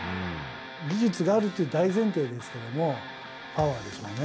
技術があるっていう大前提ですけども、パワーですよね。